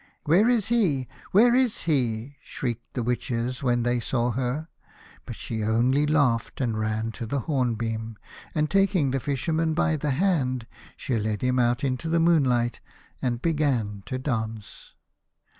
" Where is he, where is he ?" shrieked the witches when they saw her, but she only laughed, and ran to the hornbeam, and taking the Fisherman by the hand she led him out into the moonlight and began to dance.